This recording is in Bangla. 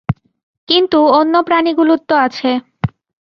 কিন্তু অন্য প্রাণীগুলোর তো আছে।